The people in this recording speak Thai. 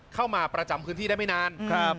เข้ามาประจำพื้นที่ได้ไม่นาน